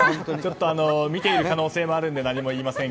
見ている可能性もあるので何も言いませんが。